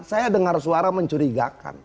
saya dengar suara mencurigakan